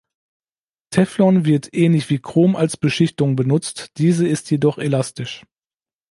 Teflon wird ähnlich wie Chrom als Beschichtung benutzt, diese ist jedoch elastisch.